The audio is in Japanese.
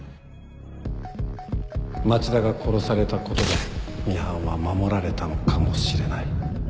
町田が殺されたことでミハンは守られたのかもしれない